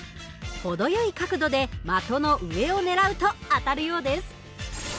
程よい角度で的の上をねらうと当たるようです。